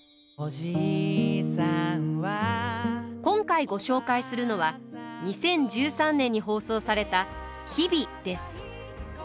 今回ご紹介するのは２０１３年に放送された「日々」です。